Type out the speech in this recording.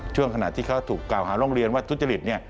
ช่วงขณะที่เขาถูกกล่าวหาร้องเรียนว่าทุจริตเนี่ย